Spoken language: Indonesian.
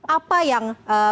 apa yang menurut